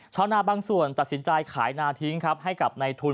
ชาวนาบางส่วนตัดสินใจขายนาทิ้งครับให้กับในทุน